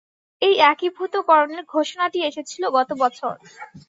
এই একীভূতকরণের ঘোষণাটি এসেছিল গত বছর।